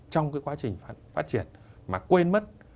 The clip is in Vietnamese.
trong cái quá trình phát triển mà quên mất